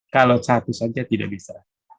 kalau satu saja tidak bisa